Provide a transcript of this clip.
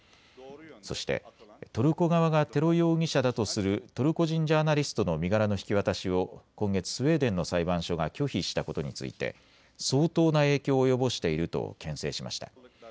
そしてトルコ側がテロ容疑者だとするトルコ人ジャーナリストの身柄の引き渡しを今月、スウェーデンの裁判所が拒否したことについて相当な影響を及ぼしているとけん制しました。